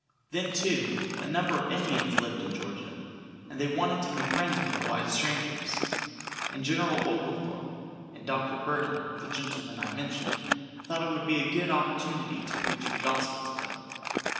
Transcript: Then, too, a number of Indians lived in Georgia, and they wanted to be friends with the white strangers, and General Oglethorpe and Dr. Burton, the gentlemen I mentioned, thought it would be a good opportunity to preach the gospel to them.